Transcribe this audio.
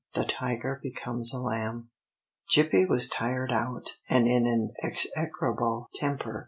THE TIGER BECOMES A LAMB. Gippie was tired out, and in an execrable temper.